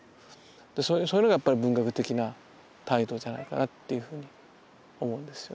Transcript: そういうのがやっぱり文学的な態度じゃないかなっていうふうに思うんですよね。